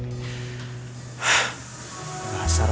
di sini noda lampu